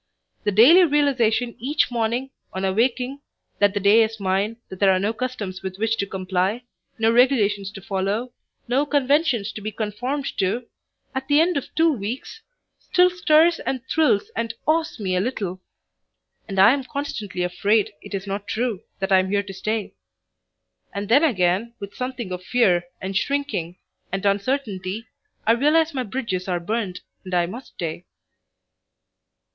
The daily realization each morning, on awaking, that the day is mine, that there are no customs with which to comply, no regulations to follow, no conventions to be conformed to, at the end of two weeks still stirs and thrills and awes me a little, and I am constantly afraid it is not true that I am here to stay. And then again with something of fear and shrinking and uncertainty I realize my bridges are burned and I must stay.